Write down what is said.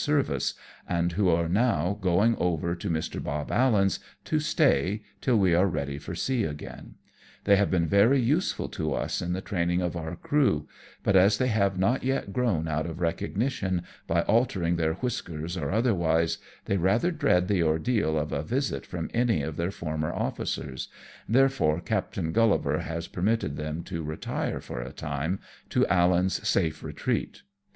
service, and who are now going over to Mr. Bob Allen's, to stay till we are ready for sea again. They have been very useful to us in the training of our crew, but as they have not yet grown out of recognization by altering their whiskers or otherwise, they rather dread the ordeal of a visit from any of their former officers, therefore Captain GuUivar has permitted them to retire for a time to AUen^s safe retreat.